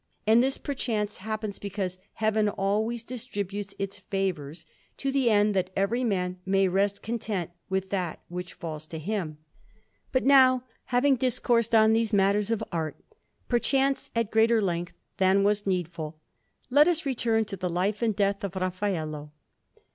And this, perchance, happens because Heaven always distributes its favours, to the end that every man may rest content with that which falls to him. But now, having discoursed on these matters of art, perchance at greater length than was needful, let us return to the life and death of Raffaello.